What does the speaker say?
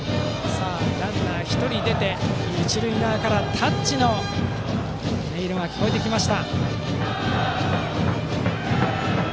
ランナー１人出て一塁側から「タッチ」の音色が聴こえています。